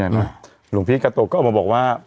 หลวงพี่กาโตก็ออกมาบอกว่า